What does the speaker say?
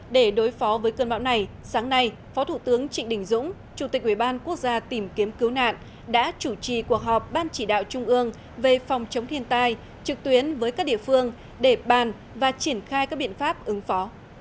để đối phó với cơn bão này sáng nay phó thủ tướng trịnh đình dũng chủ tịch ủy ban quốc gia tìm kiếm cứu nạn đã chủ trì cuộc họp ban chỉ đạo trung ương về phòng chống thiên tai trực tuyến với các địa phương để bàn và triển khai các biện pháp ứng phó